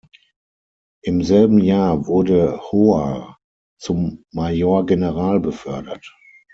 Im selben Jahr wurde Hoar zum Major General befördert.